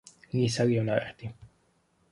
Lisa Leonardi